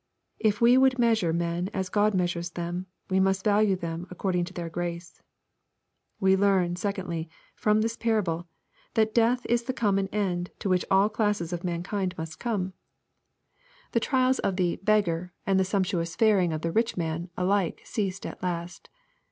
li we would measure men as God measures them, we must value them according to their grace. We learn, secondly, from this parable, thcU death is the common end to which all classes of mankind must come. LUKE, CHAP. XVI. 213 The trials of the " beggar," and the sumptuous faring of the '*rich man," alike ceased at last.